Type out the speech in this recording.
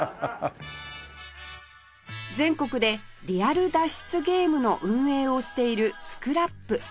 全国でリアル脱出ゲームの運営をしているスクラップ